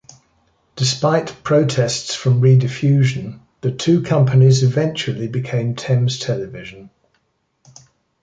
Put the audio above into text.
Despite protests from Rediffusion, the two companies eventually became Thames Television.